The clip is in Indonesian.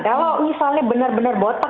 kalau misalnya benar benar botol